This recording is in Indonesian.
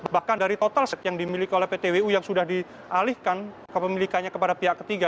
bahkan dari total yang dimiliki oleh ptwu yang sudah dialihkan kepemilikannya kepada pihak ketiga